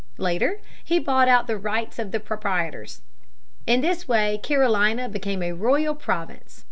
Later he bought out the rights of the proprietors. In this way Carolina became a royal province.